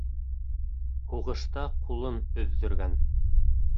Һуғышта ҡулын өҙҙөргән.